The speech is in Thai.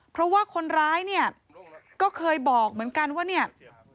เพราะว่าคนร้ายเนี่ยก็เคยบอกเหมือนกันว่าเนี่ย